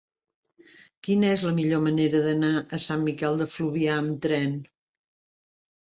Quina és la millor manera d'anar a Sant Miquel de Fluvià amb tren?